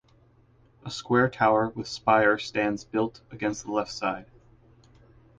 A square tower with spire stands built against the left side.